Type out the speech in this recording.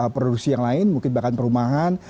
produksi yang lain mungkin bahkan perumahan